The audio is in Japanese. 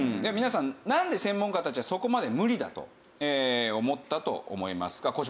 皆さんなんで専門家たちはそこまで無理だと思ったと思いますか？